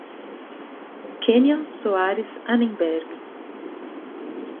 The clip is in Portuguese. Kênia Soares Annemberg